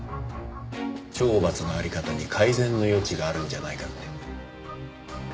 懲罰のあり方に改善の余地があるんじゃないかって。